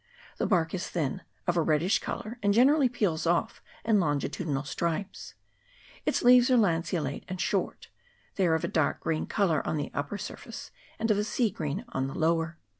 The bark is thin, of a reddish colour, and generally peals off in longitudinal stripes. Its leaves are lanceolate and short : they are of a dark green colour on the upper surface, and of a sea green on the lower.